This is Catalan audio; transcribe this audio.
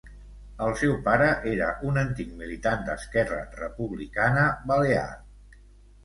El seu pare era un antic militant d'Esquerra Republicana Balear.